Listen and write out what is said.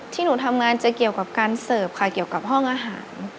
ที่หนูทำงานจะเกี่ยวกับการเสิร์ฟค่ะเกี่ยวกับห้องอาหาร